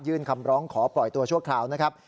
คำร้องขอปล่อยตัวชั่วคราวนะครับ